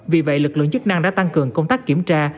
vì vậy lực lượng chức năng đã tăng cường công tác kiểm tra